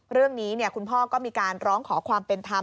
เรื่องนี้คุณพ่อก็มีการร้องขอความเป็นธรรม